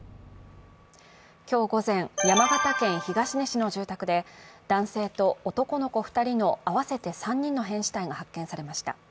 今日午前、山形県東根市の住宅で男性と男の子２人の合わせて３人の変死体が発見されました。